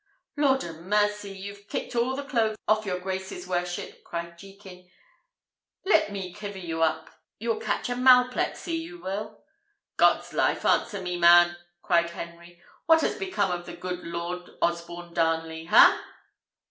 "Lord 'a mercy! you've kicked all the clothes off your grace's worship," cried Jekin: "let me kiver you up! you'll catch a malplexy, you will!" "God's life! answer me, man!" cried Henry. "What has become of the young lord, Osborne Darnley? ha?"